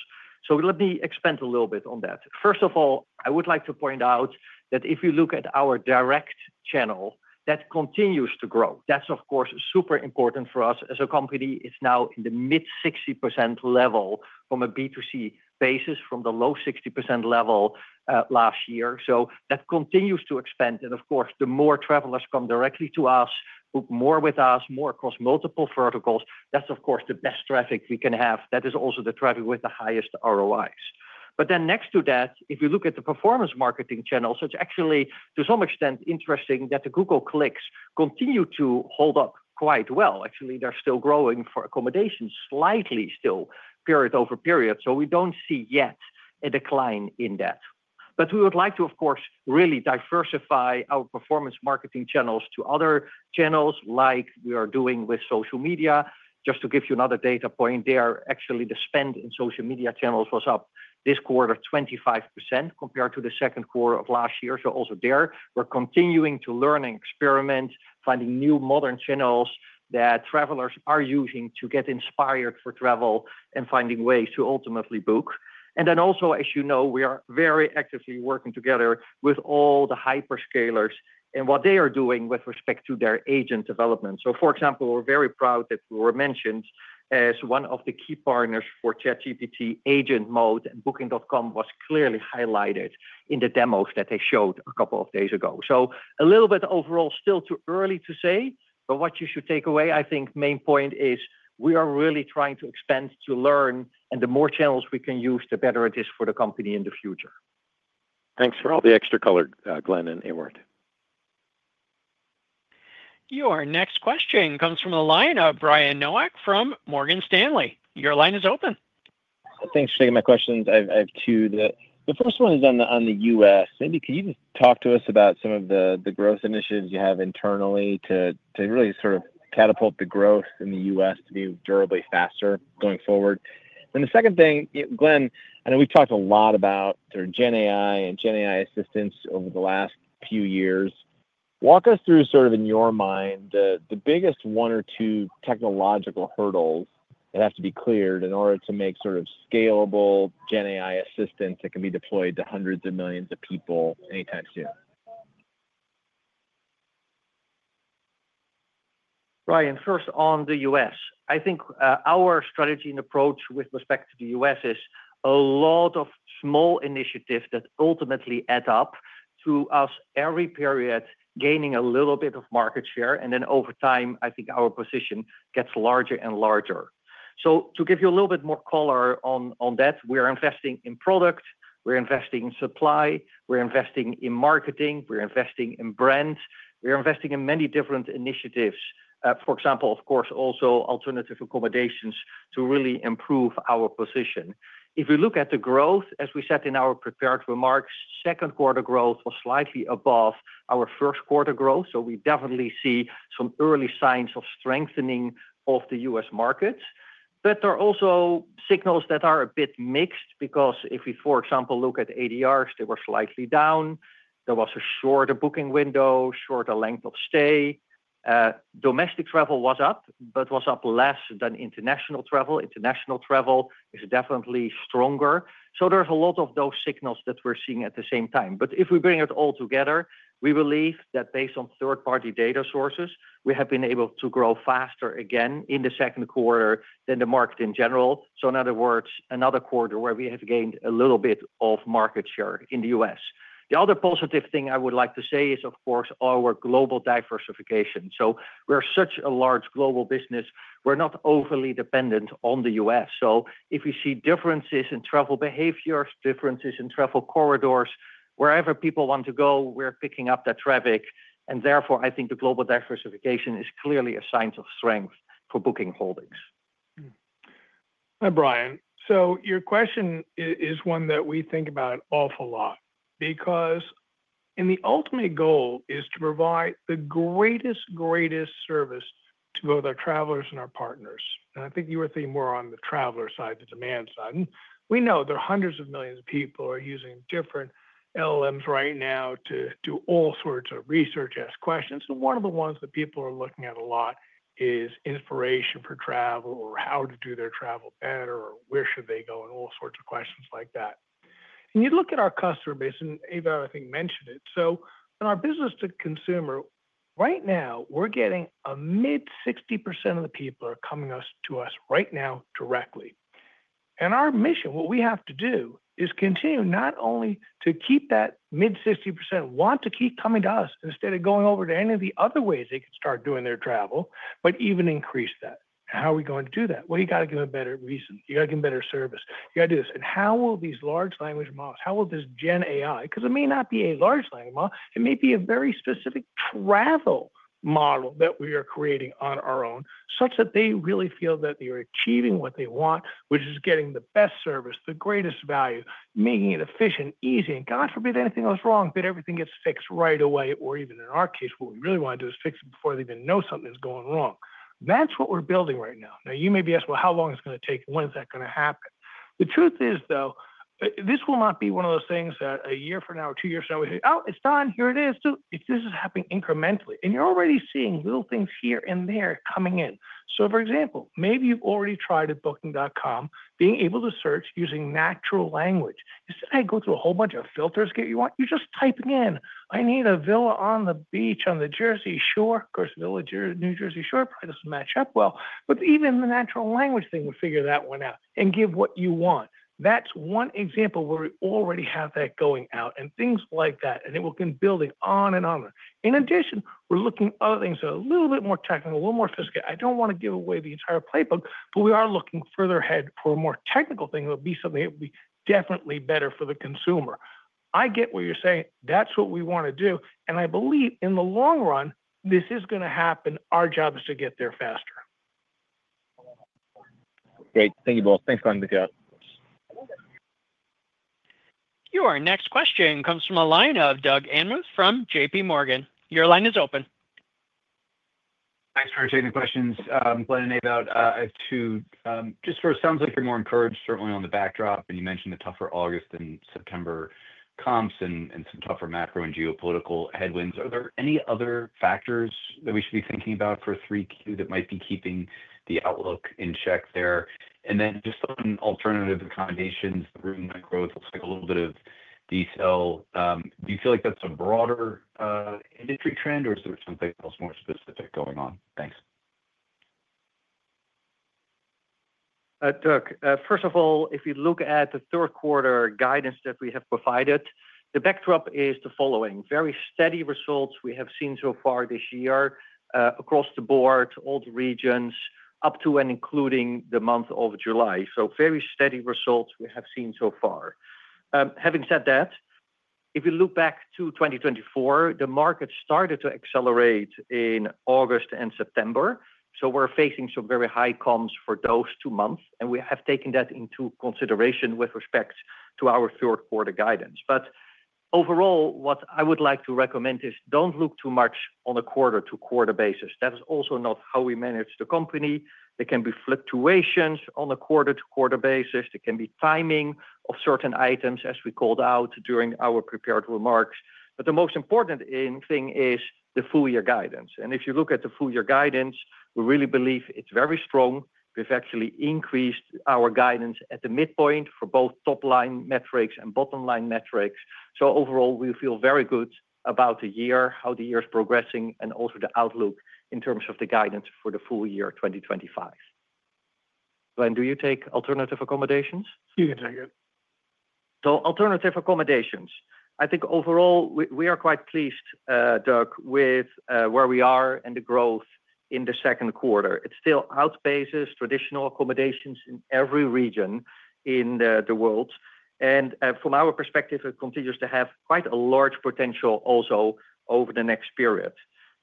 Let me expand a little bit on that. First of all, I would like to point out that if you look at our direct channel, that continues to grow. That's, of course, super important for us as a company. It's now in the mid-60% level from a B2C basis from the low 60% level last year. That continues to expand. Of course, the more travelers come directly to us, more with us, more across multiple verticals, that's, of course, the best traffic we can have. That is also the traffic with the highest ROIs. Next to that, if you look at the performance marketing channels, it's actually, to some extent, interesting that the Google clicks continue to hold up quite well. Actually, they're still growing for accommodations, slightly still, period over period. So we do not see yet a decline in that. We would like to, of course, really diversify our performance marketing channels to other channels like we are doing with social media. Just to give you another data point there, actually, the spend in social media channels was up this quarter 25% compared to the second quarter of last year. Also there, we are continuing to learn and experiment, finding new modern channels that travelers are using to get inspired for travel and finding ways to ultimately book. As you know, we are very actively working together with all the hyperscalers and what they are doing with respect to their agent development. For example, we are very proud that we were mentioned as one of the key partners for ChatGPT agent mode, and Booking.com was clearly highlighted in the demos that they showed a couple of days ago. Overall, still too early to say, but what you should take away, I think, main point is we are really trying to expand to learn, and the more channels we can use, the better it is for the company in the future. Thanks for all the extra color, Glenn and Ewout. Your next question comes from the line of Brian Nowak from Morgan Stanley. Your line is open. Thanks for taking my questions. I have two. The first one is on the U.S. Maybe could you just talk to us about some of the growth initiatives you have internally to really sort of catapult the growth in the U.S. to be durably faster going forward? The second thing, Glenn, I know we have talked a lot about sort of GenAI and GenAI assistants over the last few years. Walk us through, sort of in your mind, the biggest one or two technological hurdles that have to be cleared in order to make scalable GenAI assistants that can be deployed to hundreds of millions of people anytime soon. Brian, first on the U.S. I think our strategy and approach with respect to the U.S. is a lot of small initiatives that ultimately add up to us every period gaining a little bit of market share. Over time, I think our position gets larger and larger. To give you a little bit more color on that, we are investing in product. We are investing in supply. We are investing in marketing. We are investing in brands. We are investing in many different initiatives. For example, of course, also alternative accommodations to really improve our position. If you look at the growth, as we said in our prepared remarks, second quarter growth was slightly above our first quarter growth. We definitely see some early signs of strengthening of the U.S. markets. There are also signals that are a bit mixed because if we, for example, look at ADRs, they were slightly down. There was a shorter booking window, shorter length of stay. Domestic travel was up, but was up less than international travel. International travel is definitely stronger. There are a lot of those signals that we're seeing at the same time. If we bring it all together, we believe that based on third-party data sources, we have been able to grow faster again in the second quarter than the market in general. In other words, another quarter where we have gained a little bit of market share in the U.S. The other positive thing I would like to say is, of course, our global diversification. We're such a large global business. We're not overly dependent on the U.S. If we see differences in travel behaviors, differences in travel corridors, wherever people want to go, we're picking up that traffic. Therefore, I think the global diversification is clearly a sign of strength for Booking Holdings. Hi, Brian. Your question is one that we think about an awful lot because the ultimate goal is to provide the greatest, greatest service to both our travelers and our partners. I think you were thinking more on the traveler side, the demand side. We know there are hundreds of millions of people who are using different LLMs right now to do all sorts of research, ask questions. One of the ones that people are looking at a lot is inspiration for travel or how to do their travel better or where should they go and all sorts of questions like that. You look at our customer base, and Ewout, I think, mentioned it. In our business to consumer, right now, we're getting a mid-60% of the people coming to us right now directly. Our mission, what we have to do, is continue not only to keep that mid-60% want to keep coming to us instead of going over to any of the other ways they can start doing their travel, but even increase that. How are we going to do that? You got to give them better reason. You got to give them better service. You got to do this. How will these large language models, how will this GenAI, because it may not be a large language model, it may be a very specific travel model that we are creating on our own, such that they really feel that they are achieving what they want, which is getting the best service, the greatest value, making it efficient, easy, and God forbid anything goes wrong, then everything gets fixed right away. Even in our case, what we really want to do is fix it before they even know something's going wrong. That's what we're building right now. You may be asked, how long is it going to take? When is that going to happen? The truth is, though, this will not be one of those things that a year from now or two years from now, we say, oh, it's done. Here it is. This is happening incrementally. You're already seeing little things here and there coming in. For example, maybe you've already tried at Booking.com, being able to search using natural language. Instead of going through a whole bunch of filters you want, you're just typing in, I need a villa on the beach on the Jersey Shore. Of course, villa, New Jersey Shore, probably doesn't match up well. Even the natural language thing, we figure that one out and give what you want. That's one example where we already have that going out and things like that. It will have been building on and on. In addition, we're looking at other things that are a little bit more technical, a little more sophisticated. I don't want to give away the entire playbook, but we are looking further ahead for a more technical thing that would be something that would be definitely better for the consumer. I get what you're saying. That's what we want to do. I believe in the long run, this is going to happen. Our job is to get there faster. Great. Thank you both. Thanks, Glenn, and Ewout. Your next question comes from line of Doug Anmuth from JPMorgan. Your line is open. Thanks for taking the questions, Glenn and Ewout. First, it sounds like you're more encouraged, certainly on the backdrop, and you mentioned the tougher August and September comps and some tougher macro and geopolitical headwinds. Are there any other factors that we should be thinking about for 3Q that might be keeping the outlook in check there? Just on alternative accommodations, the room for growth in a little bit of detail. Do you feel like that's a broader industry trend, or is there something else more specific going on? Thanks. Doug, first of all, if you look at the third quarter guidance that we have provided, the backdrop is the following, very steady results we have seen so far this year across the board, all the regions, up to and including the month of July. Very steady results we have seen so far. Having said that, if you look back to 2024, the market started to accelerate in August and September. We are facing some very high comps for those two months, and we have taken that into consideration with respect to our third quarter guidance. Overall, what I would like to recommend is do not look too much on a quarter-to-quarter basis. That is also not how we manage the company. There can be fluctuations on a quarter-to-quarter basis. There can be timing of certain items, as we called out during our prepared remarks. The most important thing is the full-year guidance. If you look at the full-year guidance, we really believe it is very strong. We have actually increased our guidance at the midpoint for both top-line metrics and bottom-line metrics. Overall, we feel very good about the year, how the year is progressing, and also the outlook in terms of the guidance for the full year 2025. Glenn, do you take alternative accommodations? You can take it. Alternative accommodations, I think overall, we are quite pleased, Doug, with where we are and the growth in the second quarter. It still outpaces traditional accommodations in every region in the world. From our perspective, it continues to have quite a large potential also over the next period.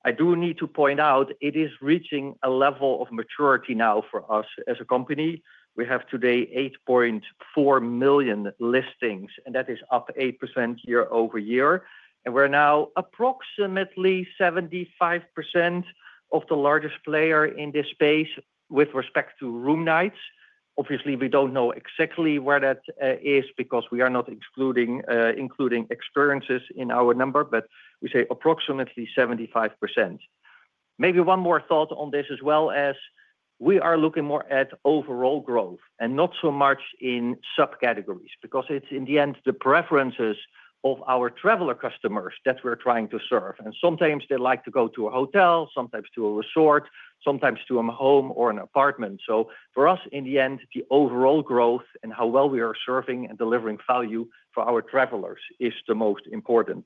I do need to point out it is reaching a level of maturity now for us as a company. We have today 8.4 million listings, and that is up 8% year-over-year. We are now approximately 75% of the largest player in this space with respect to room nights. Obviously, we do not know exactly where that is because we are not including experiences in our number, but we say approximately 75%. Maybe one more thought on this as well as we are looking more at overall growth and not so much in subcategories because it is in the end the preferences of our traveler customers that we are trying to serve. Sometimes they like to go to a hotel, sometimes to a resort, sometimes to a home or an apartment. For us, in the end, the overall growth and how well we are serving and delivering value for our travelers is the most important.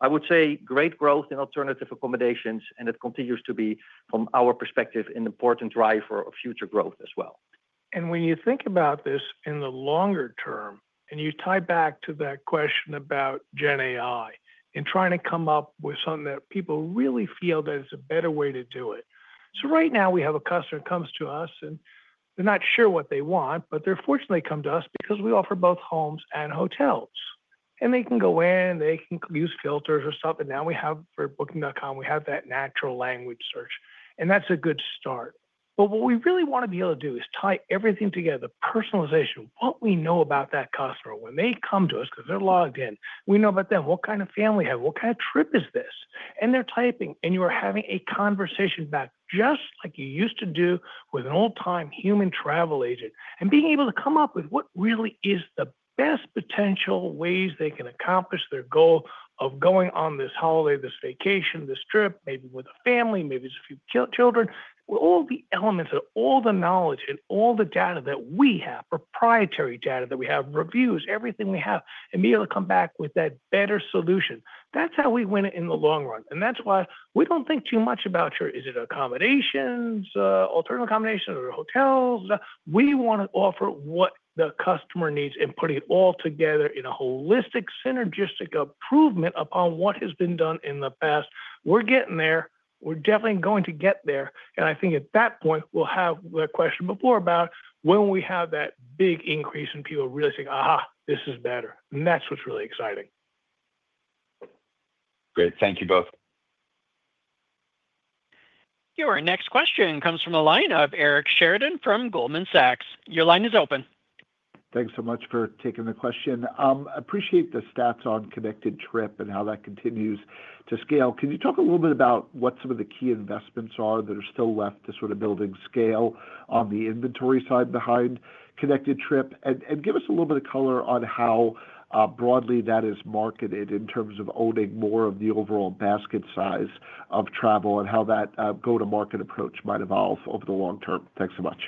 I would say great growth in alternative accommodations, and it continues to be, from our perspective, an important driver of future growth as well. When you think about this in the longer term, and you tie back to that question about GenAI and trying to come up with something that people really feel that it's a better way to do it. Right now, we have a customer who comes to us, and they're not sure what they want, but they're fortunately coming to us because we offer both homes and hotels. They can go in, they can use filters or something. Now we have for Booking.com, we have that natural language search. That's a good start. What we really want to be able to do is tie everything together, the personalization, what we know about that customer when they come to us because they're logged in. We know about them, what kind of family they have, what kind of trip is this. They're typing, and you are having a conversation back just like you used to do with an old-time human travel agent. Being able to come up with what really is the best potential ways they can accomplish their goal of going on this holiday, this vacation, this trip, maybe with a family, maybe it's a few children, with all the elements and all the knowledge and all the data that we have, proprietary data that we have, reviews, everything we have, and be able to come back with that better solution. That's how we win it in the long run. That's why we do not think too much about, is it accommodations, alternative accommodations, or hotels? We want to offer what the customer needs and put it all together in a holistic synergistic improvement upon what has been done in the past. We're getting there. We're definitely going to get there. I think at that point, we'll have the question before about when we have that big increase in people really saying, this is better. That's what's really exciting. Great. Thank you both. Your next question comes from the line of Eric Sheridan from Goldman Sachs. Your line is open. Thanks so much for taking the question. I appreciate the stats on Connected Trip and how that continues to scale. Can you talk a little bit about what some of the key investments are that are still left to sort of building scale on the inventory side behind Connected Trip? Give us a little bit of color on how broadly that is marketed in terms of owning more of the overall basket size of travel and how that go-to-market approach might evolve over the long term. Thanks so much.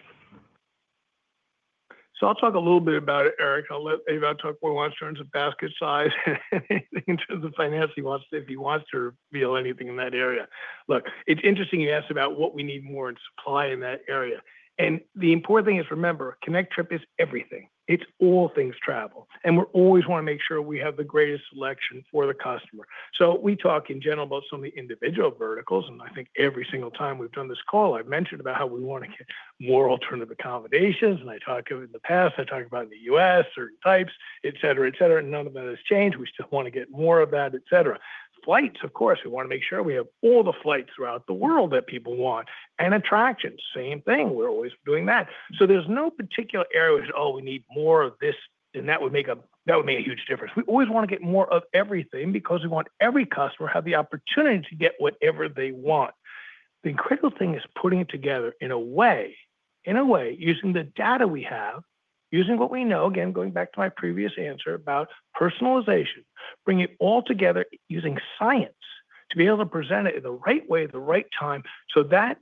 I'll talk a little bit about it, Eric. I'll let Ewout talk more in terms of basket size and in terms of finance if he wants to reveal anything in that area. Look, it's interesting you asked about what we need more in supply in that area. The important thing is, remember, Connected Trip is everything. It's all things travel. We always want to make sure we have the greatest selection for the customer. We talk in general about some of the individual verticals. I think every single time we've done this call, I've mentioned about how we want to get more alternative accommodations. I talked about it in the past. I talked about in the U.S., certain types, et cetera, et cetera. None of that has changed. We still want to get more of that, et cetera. Flights, of course. We want to make sure we have all the flights throughout the world that people want. Attractions, same thing. We're always doing that. There's no particular area we said, oh, we need more of this, and that would make a huge difference. We always want to get more of everything because we want every customer to have the opportunity to get whatever they want. The critical thing is putting it together in a way, using the data we have, using what we know, again, going back to my previous answer about personalization, bringing it all together using science to be able to present it in the right way, the right time, so that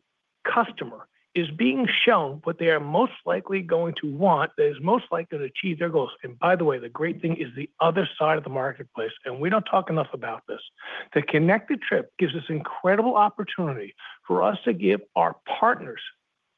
customer is being shown what they are most likely going to want, that is most likely going to achieve their goals. By the way, the great thing is the other side of the marketplace. We do not talk enough about this. The Connected Trip gives us an incredible opportunity for us to give our partners,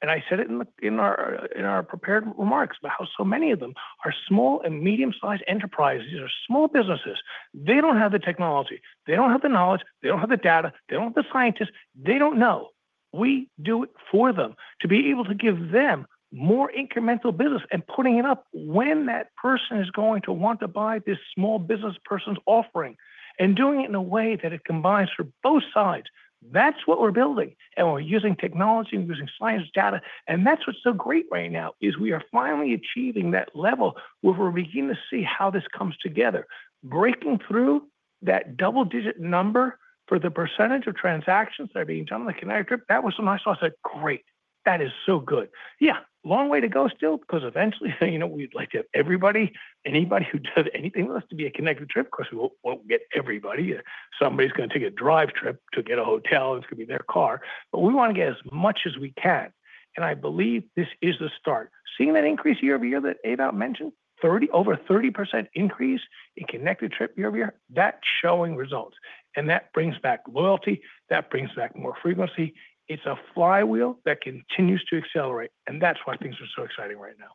and I said it in our prepared remarks about how so many of them are small and medium-sized enterprises, small businesses. They do not have the technology. They do not have the knowledge. They do not have the data. They do not have the scientists. They do not know. We do it for them to be able to give them more incremental business and putting it up when that person is going to want to buy this small business person's offering and doing it in a way that it combines for both sides. That is what we're building. We're using technology and using science, data. That's what's so great right now. We are finally achieving that level where we're beginning to see how this comes together. Breaking through that double-digit number for the percentage of transactions that are being done on the Connected Trip, that was some nice thoughts. I said, great. That is so good. Yeah, long way to go still because eventually, we'd like to have everybody, anybody who does anything with us to be a Connected Trip. Of course, we won't get everybody. Somebody's going to take a drive trip to get a hotel. It's going to be their car. We want to get as much as we can. I believe this is the start. Seeing that increase year-over-year that Ewout mentioned, over 30% increase in Connected Trip year-over-year, that's showing results. That brings back loyalty. That brings back more frequency. It's a flywheel that continues to accelerate. That's why things are so exciting right now.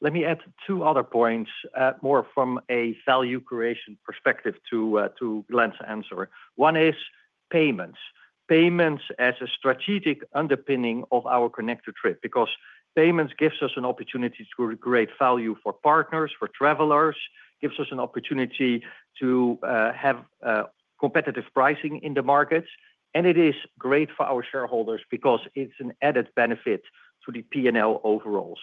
Let me add two other points, more from a value creation perspective to Glenn's answer. One is payments. Payments as a strategic underpinning of our Connected Trip because payments gives us an opportunity to create value for partners, for travelers, gives us an opportunity to have competitive pricing in the markets. It is great for our shareholders because it's an added benefit to the P&L overall.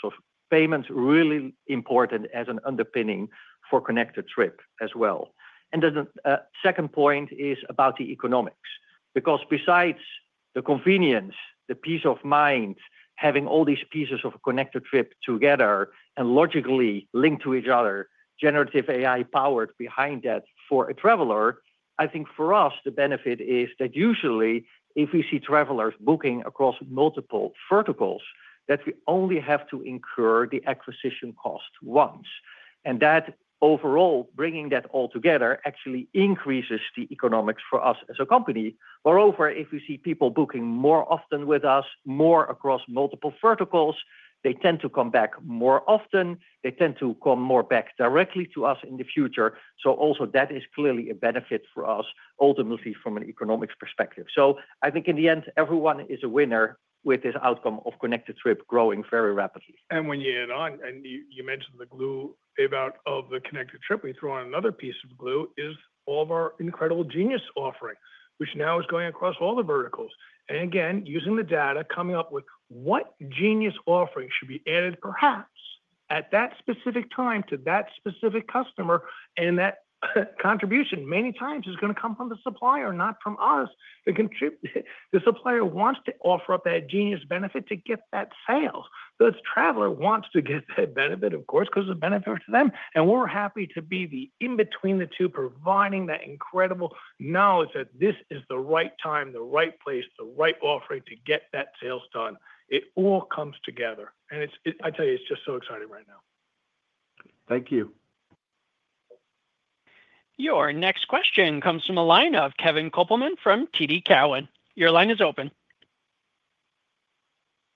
Payments are really important as an underpinning for Connected Trip as well. The second point is about the economics because besides the convenience, the peace of mind, having all these pieces of a Connected Trip together and logically linked to each other, generative AI powered behind that for a traveler, I think for us, the benefit is that usually, if we see travelers booking across multiple verticals, we only have to incur the acquisition cost once. Overall, bringing that all together actually increases the economics for us as a company. Moreover, if we see people booking more often with us, more across multiple verticals, they tend to come back more often. They tend to come more back directly to us in the future. That is clearly a benefit for us, ultimately from an economics perspective. I think in the end, everyone is a winner with this outcome of Connected Trip growing very rapidly. When you add on, and you mentioned the glue about the Connected Trip, we throw on another piece of glue, all of our incredible Genius offering, which now is going across all the verticals. And again, using the data, coming up with what Genius offering should be added perhaps at that specific time to that specific customer. That contribution many times is going to come from the supplier, not from us. The supplier wants to offer up that Genius benefit to get that sale. That traveler wants to get that benefit, of course, because it is a benefit to them. We are happy to be in between the two, providing that incredible knowledge that this is the right time, the right place, the right offering to get that sales done. It all comes together. I tell you, it is just so exciting right now. Thank you. Your next question comes from the line of Kevin Kopelman from TD Cowen. Your line is open.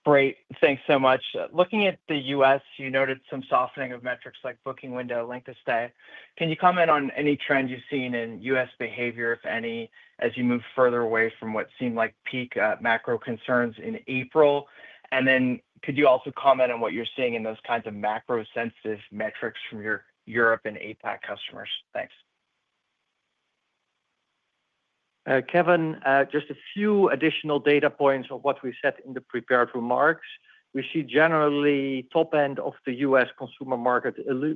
Great. Thanks so much. Looking at the U.S., you noted some softening of metrics like booking window, length of stay. Can you comment on any trends you have seen in U.S. behavior, if any, as you move further away from what seemed like peak macro concerns in April? Could you also comment on what you are seeing in those kinds of macro-sensitive metrics from your Europe and APAC customers? Thanks. Kevin, just a few additional data points of what we said in the prepared remarks. We see generally top end of the U.S. consumer market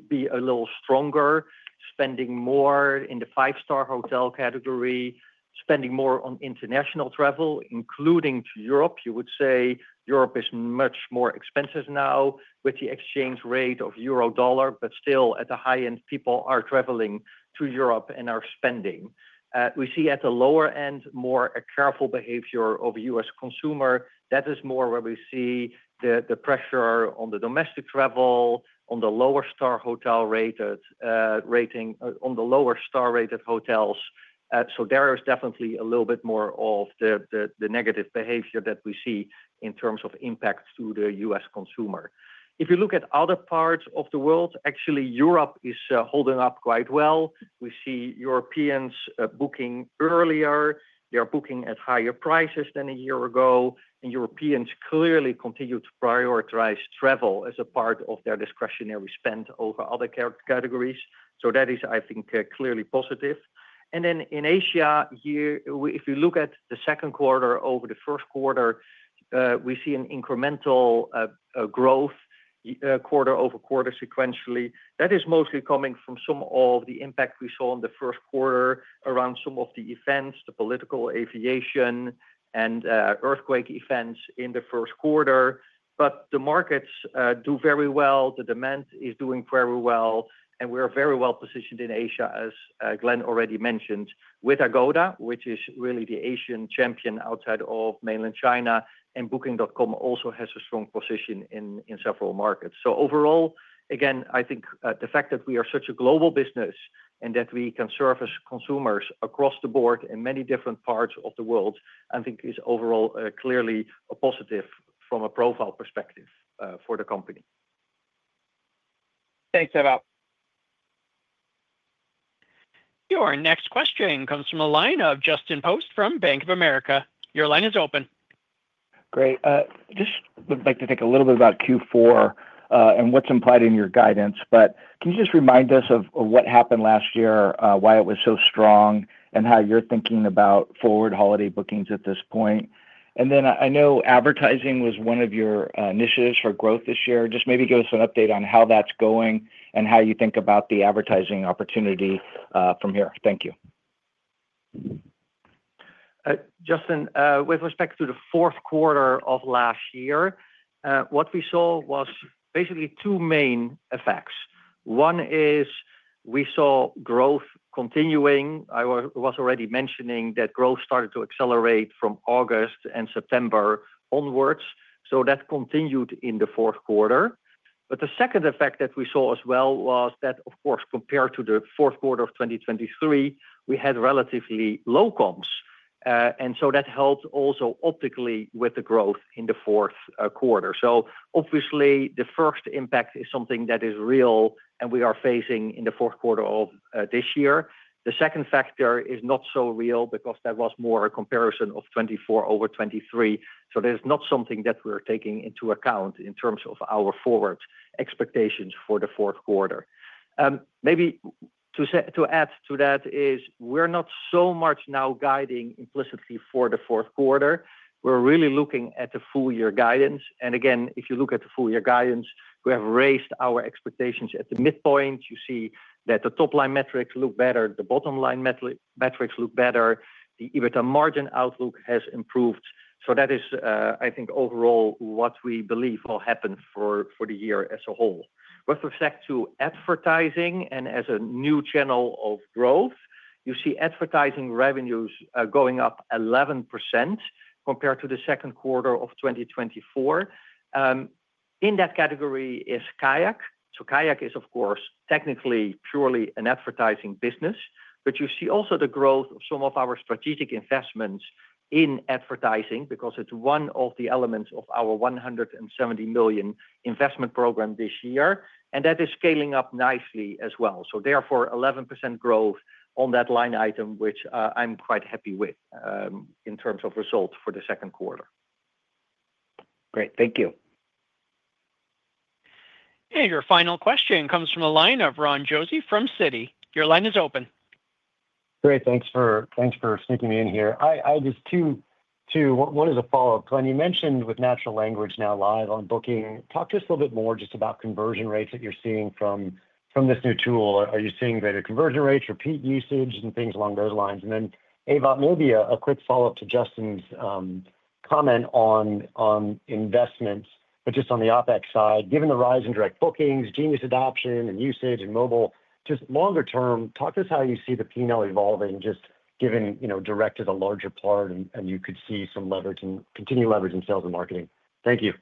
be a little stronger, spending more in the five-star hotel category, spending more on international travel, including to Europe. You would say Europe is much more expensive now with the exchange rate of euro/dollar, but still at the high end, people are traveling to Europe and are spending. We see at the lower end, more a careful behavior of U.S. consumer. That is more where we see the pressure on the domestic travel, on the lower-star hotel rating, on the lower-star rated hotels. There is definitely a little bit more of the negative behavior that we see in terms of impact to the U.S. consumer. If you look at other parts of the world, actually, Europe is holding up quite well. We see Europeans booking earlier. They are booking at higher prices than a year ago. Europeans clearly continue to prioritize travel as a part of their discretionary spend over other categories. That is, I think, clearly positive. In Asia, if you look at the second quarter over the first quarter, we see an incremental growth quarter over quarter sequentially. That is mostly coming from some of the impact we saw in the first quarter around some of the events, the political, aviation, and earthquake events in the first quarter. But the markets do very well. The demand is doing very well. We're very well positioned in Asia, as Glenn already mentioned, with Agoda, which is really the Asian champion outside of mainland China. Booking.com also has a strong position in several markets. Overall, again, I think the fact that we are such a global business and that we can service consumers across the board in many different parts of the world, I think is overall clearly a positive from a profile perspective for the company. Thanks, Ewout. Your next question comes from the line of Justin Post from Bank of America. Your line is open. Great. Just would like to think a little bit about Q4 and what's implied in your guidance. But can you just remind us of what happened last year, why it was so strong, and how you're thinking about forward holiday bookings at this point? Then I know advertising was one of your initiatives for growth this year. Just maybe give us an update on how that's going and how you think about the advertising opportunity from here. Thank you. Justin, with respect to the fourth quarter of last year, what we saw was basically two main effects. One is we saw growth continuing. I was already mentioning that growth started to accelerate from August and September onwards. So that continued in the fourth quarter. The second effect that we saw as well was that, of course, compared to the fourth quarter of 2023, we had relatively low comps. That helped also optically with the growth in the fourth quarter. Obviously, the first impact is something that is real and we are facing in the fourth quarter of this year. The second factor is not so real because that was more a comparison of 2024 over 2023. So that is not something that we're taking into account in terms of our forward expectations for the fourth quarter. Maybe to add to that is we're not so much now guiding implicitly for the fourth quarter. We're really looking at the full-year guidance. Again, if you look at the full-year guidance, we have raised our expectations at the midpoint. You see that the top-line metrics look better. The bottom-line metrics look better. The EBITDA margin outlook has improved. So that is, I think, overall what we believe will happen for the year as a whole. With respect to advertising and as a new channel of growth, you see advertising revenues going up 11% compared to the second quarter of 2024. In that category is KAYAK. KAYAK is, of course, technically purely an advertising business. You see also the growth of some of our strategic investments in advertising because it is one of the elements of our $170 million investment program this year. That is scaling up nicely as well. Therefore, 11% growth on that line item, which I am quite happy with in terms of result for the second quarter. Great. Thank you. Your final question comes from the line of Ron Josey from Citi. Your line is open. Great. Thanks for sneaking me in here. Just two. One is a follow-up. When you mentioned with Natural Language now live on Booking.com, talk to us a little bit more just about conversion rates that you are seeing from this new tool. Are you seeing greater conversion rates, repeat usage, and things along those lines? Then, Ava, maybe a quick follow-up to Justin's comment on investments, but just on the OpEx side, given the rise in direct bookings, Genius adoption and usage, and mobile, just longer term, talk to us how you see the P&L evolving, just given direct is a larger part and you could see some leverage and continue leveraging sales and marketing. Thank you.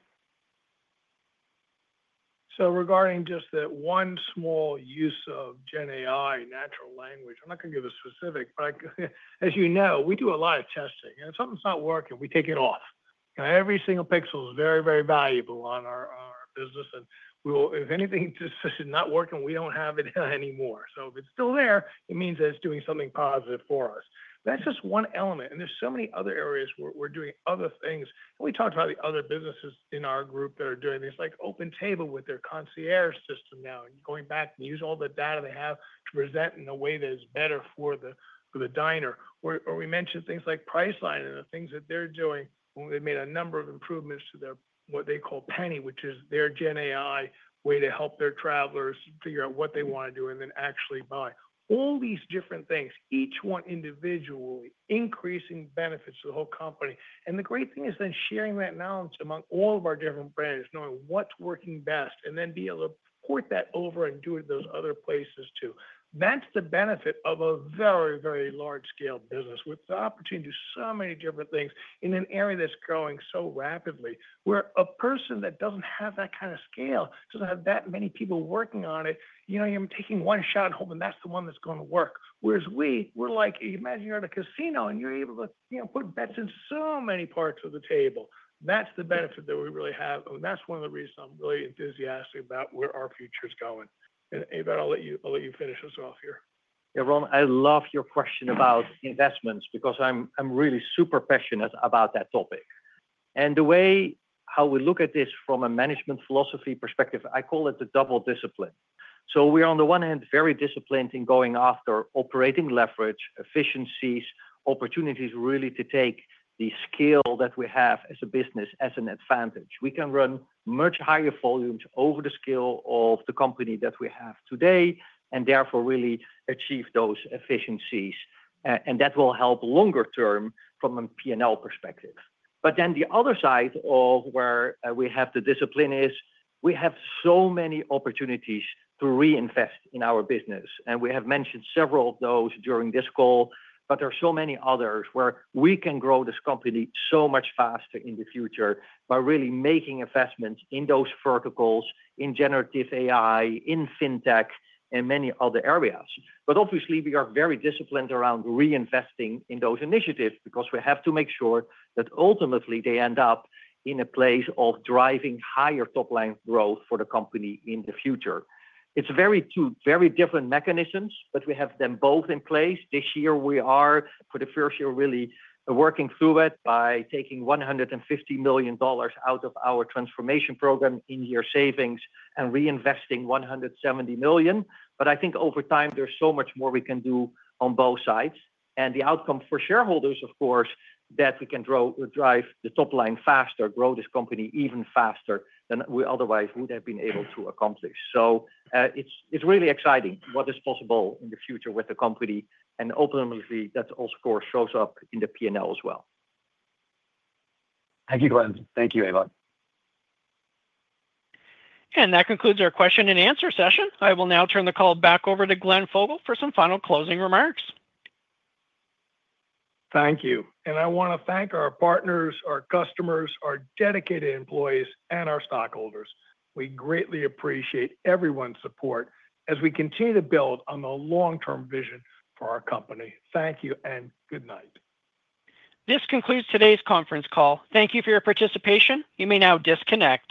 Regarding just that one small use of GenAI, Natural Language, I am not going to give a specific, but as you know, we do a lot of testing. If something is not working, we take it off. Every single pixel is very, very valuable on our business. If anything is not working, we do not have it anymore. If it is still there, it means that it is doing something positive for us. That is just one element. There are so many other areas where we are doing other things. We talked about the other businesses in our group that are doing things like OpenTable with their Concierge system now and going back and use all the data they have to present in a way that is better for the diner. Or we mentioned things like Priceline and the things that they are doing. They made a number of improvements to their, what they call, Penny, which is their GenAI way to help their travelers figure out what they want to do and then actually buy. All these different things, each one individually, increasing benefits to the whole company. The great thing is then sharing that knowledge among all of our different brands, knowing what is working best, and then be able to port that over and do it in those other places too. That's the benefit of a very, very large-scale business with the opportunity to do so many different things in an area that's growing so rapidly where a person that doesn't have that kind of scale, doesn't have that many people working on it, you're taking one shot and hoping that's the one that's going to work. Whereas we're like, imagine you're at a casino and you're able to put bets in so many parts of the table. That's the benefit that we really have. That's one of the reasons I'm really enthusiastic about where our future is going. Ewout, I'll let you finish us off here. Yeah, Ron, I love your question about investments because I'm really super passionate about that topic. The way how we look at this from a management philosophy perspective, I call it the double discipline. We are, on the one hand, very disciplined in going after operating leverage, efficiencies, opportunities really to take the scale that we have as a business as an advantage. We can run much higher volumes over the scale of the company that we have today and therefore really achieve those efficiencies. That will help longer term from a P&L perspective. The other side of where we have the discipline is we have so many opportunities to reinvest in our business. We have mentioned several of those during this call, but there are so many others where we can grow this company so much faster in the future by really making investments in those verticals, in generative AI, in fintech, and many other areas. Obviously, we are very disciplined around reinvesting in those initiatives because we have to make sure that ultimately they end up in a place of driving higher top-line growth for the company in the future. It's two very different mechanisms, but we have them both in place. This year, we are, for the first year, really working through it by taking $150 million out of our transformation program in year savings and reinvesting $170 million. I think over time, there's so much more we can do on both sides. The outcome for shareholders, of course, is that we can drive the top line faster, grow this company even faster than we otherwise would have been able to accomplish. It's really exciting what is possible in the future with the company. Ultimately, that of course shows up in the P&L as well. Thank you, Glenn. Thank you, Ewout. That concludes our question-and-answer session. I will now turn the call back over to Glenn Fogel for some final closing remarks. Thank you. I want to thank our partners, our customers, our dedicated employees, and our stockholders. We greatly appreciate everyone's support as we continue to build on the long-term vision for our company. Thank you and good night. This concludes today's conference call. Thank you for your participation. You may now disconnect.